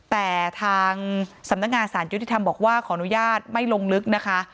แต่ทางสำนักงานสารยุติธรรมบอกว่าขออนุญาตไม่ลงลึกนะคะ